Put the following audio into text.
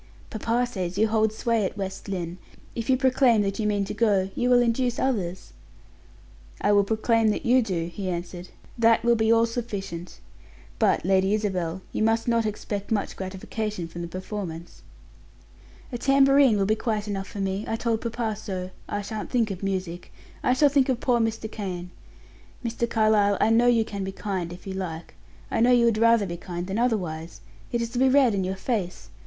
"Papa says you hold sway at West Lynne. If you proclaim that you mean to go, you will induce others." "I will proclaim that you do," he answered; "that will be all sufficient. But, Lady Isabel, you must not expect much gratification from the performance." "A tambourine will be quite enough for me; I told papa so, I shan't think of music; I shall think of poor Mr. Kane. Mr. Carlyle I know you can be kind if you like; I know you would rather be kind than otherwise it is to be read in your face.